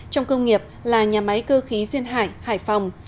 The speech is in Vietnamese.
trong công nghiệp là nhà máy cơ khí duyên hải hải phòng